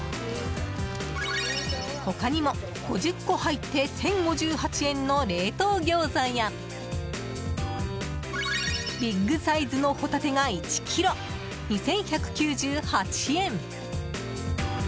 他にも、５０個入って１０５８円の冷凍ギョーザやビッグサイズのホタテが１ｋｇ、２１９８円。